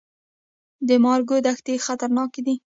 د مارګو دښتې خطرناکې دي؟